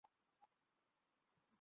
তার স্ত্রীর নাম হামিদা বেগম।